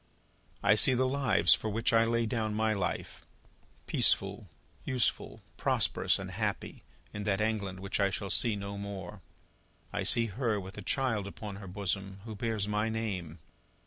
"I see the lives for which I lay down my life, peaceful, useful, prosperous and happy, in that England which I shall see no more. I see Her with a child upon her bosom, who bears my name.